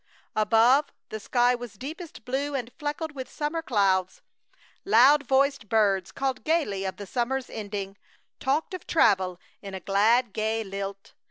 Above, the sky was deepest blue and flecked with summer clouds. Loud voiced birds called gaily of the summer's ending, talked of travel in a glad, gay lilt.